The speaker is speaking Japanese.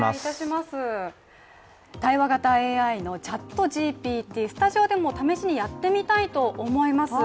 対話型ＡＩのＣｈａｔＧＰＴ、スタジオでも試しにやってみたいと思います。